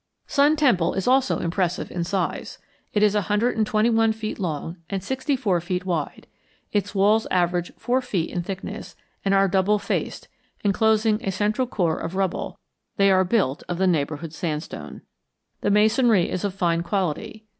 Sun Temple is also impressive in size. It is a hundred and twenty one feet long and sixty four feet wide. Its walls average four feet in thickness, and are double faced, enclosing a central core of rubble; they are built of the neighborhood sandstone. The masonry is of fine quality.